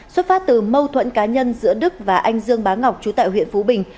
xuất phát từ mâu thuẫn cá nhân giữa đức và anh dương bá ngọc trú tại huyện phú bình